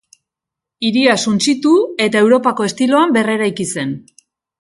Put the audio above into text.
Hiria suntsitu eta Europako estiloan berreraiki zen.